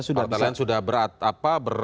sudah berat apa